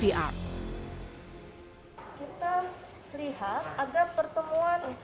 kita lihat ada pertemuan yang berbeda